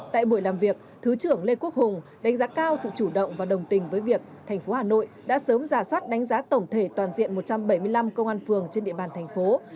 tại buổi làm việc thứ trưởng lê quốc hùng đánh giá cao sự chủ động và đồng tình với việc thành phố hà nội đã sớm ra soát đánh giá tổng thể toàn diện một trăm bảy mươi năm công an phường trên địa bàn thành phố